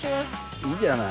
いいじゃない。